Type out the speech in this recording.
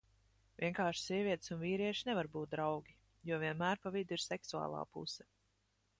Vienkārši sievietes un vīrieši nevar būt draugi, jo vienmēr pa vidu ir seksuālā puse.